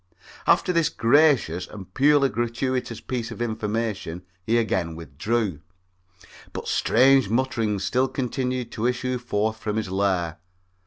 After this gracious and purely gratuitous piece of information he again withdrew, but strange mutterings still continued to issue forth from his lair.